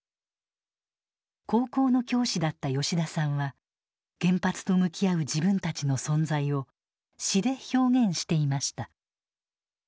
高校の教師だった吉田さんは原発と向き合う自分たちの存在を詩で表現していました。